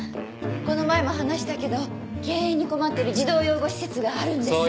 この前も話したけど経営に困ってる児童養護施設があるんです。